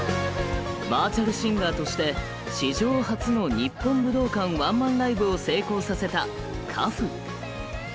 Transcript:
バーチャルシンガーとして史上初の日本武道館ワンマンライブを成功させた花譜。